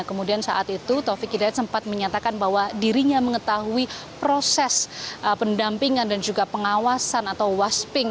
kemudian saat itu taufik hidayat sempat menyatakan bahwa dirinya mengetahui proses pendampingan dan juga pengawasan atau wasping